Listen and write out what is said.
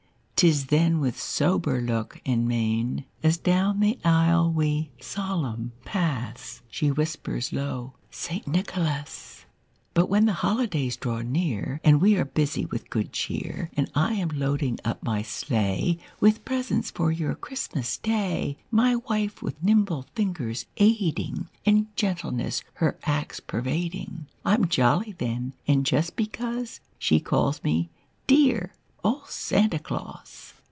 Tis then with sober look, and mein, As down the aisle we, solemn, pass, She whispers low, 'St. Nicholas.'" C ' S '^!' S > jn|B r*5v;'j ll 1 S I 1 1 1 1^*1 Copyrighted, 1897 lUT when the holidays draw near And we are busy with good cheer, And I am loading up my sleigh With presents for your Christmas Day, My wife with nimble fingers aiding, And gentleness her acts pervading, I'm jolly then, and just because She calls me 'dear old Santa Claus.